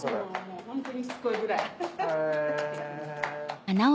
ホントにしつこいぐらい。